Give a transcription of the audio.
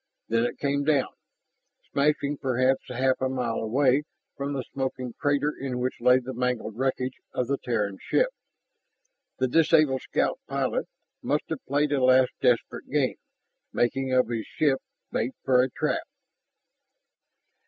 Then it came down, smashing perhaps half a mile away from the smoking crater in which lay the mangled wreckage of the Terran ship. The disabled scout pilot must have played a last desperate game, making of his ship bait for a trap.